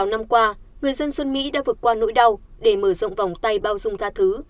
sáu năm qua người dân sơn mỹ đã vượt qua nỗi đau để mở rộng vòng tay bao dung tha thứ